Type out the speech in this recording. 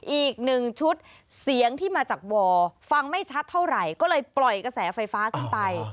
อีกหนึ่งชุดเสียงที่มาจากวอร์ฟังไม่ชัดเท่าไหร่ก็เลยปล่อยกระแสไฟฟ้าขึ้นไป